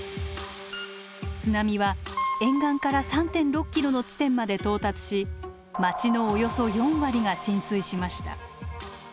津波は沿岸から３．６キロの地点まで到達し町のおよそ４割が浸水しました。